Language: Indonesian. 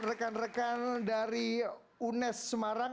rekan rekan dari unes semarang